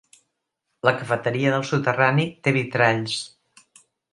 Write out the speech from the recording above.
La cafeteria del soterrani té vitralls.